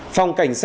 phòng cảnh sát